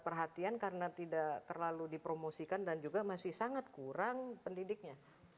perhatian karena tidak terlalu dipromosikan dan juga masih sangat kurang pendidiknya